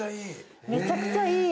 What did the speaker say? めちゃくちゃいい。